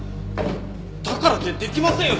だからってできませんよ